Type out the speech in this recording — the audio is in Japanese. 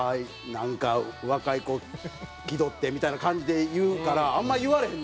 なんか若い子気取って」みたいな感じで言うからあんまり言われへんのよ。